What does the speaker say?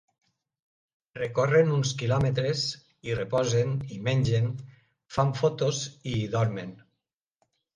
Recorren uns quilòmetres, hi reposen, hi mengen, fan fotos i hi dormen.